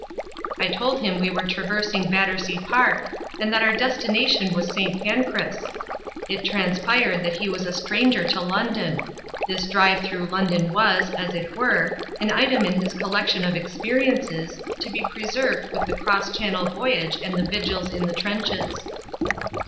I told him we were traversing Battersea Park and that our destination was St. Pancras. It transpired that he was a stranger to London. This drive through London was, as it were, an item in his collection of experiences, to be preserved with the cross channel voyage and the vigils in the trenches.